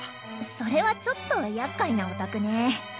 それはちょっとやっかいなオタクね。